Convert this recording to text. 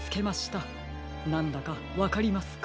なんだかわかりますか？